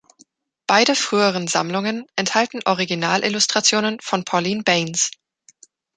Beide früheren Sammlungen enthalten Originalillustrationen von Pauline Baynes.